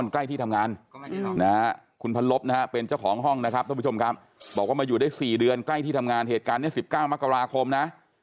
ใกล้ที่ทำงานคุณพันลบนะฮะเป็นเจ้าของห้องนะครับท่านผู้ชมครับบอกว่ามาอยู่ได้๔เดือนใกล้ที่ทำงานเหตุการณ์นี้๑๙มกราคมนะ